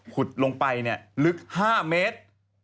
ขุดลงไปลึก๕เมตร